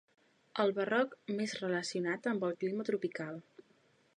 El barroc més relacionat amb el clima tropical.